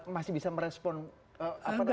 masih bisa merespon apa